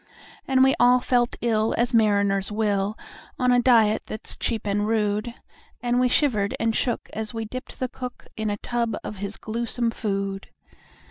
And we all felt ill as mariners will, On a diet that's cheap and rude; And we shivered and shook as we dipped the cook In a tub of his gluesome food.